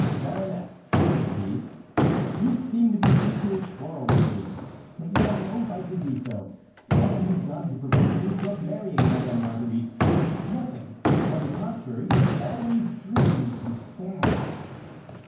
"Baroness," said he, "you seem to be seeking a quarrel with me, but you have no right to do so. What have you done to prevent me from marrying Madame Marguerite? Nothing. On the contrary, you have always driven me to despair."